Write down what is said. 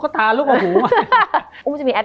มันทำให้ชีวิตผู้มันไปไม่รอด